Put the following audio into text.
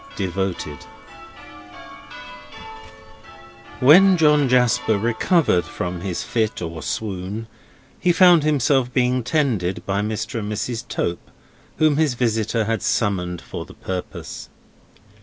DEVOTED When John Jasper recovered from his fit or swoon, he found himself being tended by Mr. and Mrs. Tope, whom his visitor had summoned for the purpose.